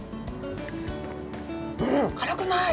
うん辛くない！